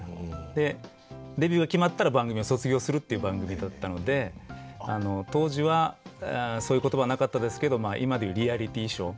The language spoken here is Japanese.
でデビューが決まったら番組を卒業するっていう番組だったので当時はそういう言葉なかったですけど今で言うリアリティーショー。